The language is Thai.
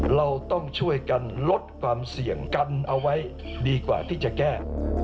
เราต้องช่วยกันลดความเสี่ยงกันเอาไว้ดีกว่าที่จะแก้